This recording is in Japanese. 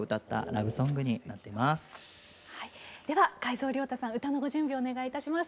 では海蔵亮太さん歌のご準備をお願いいたします。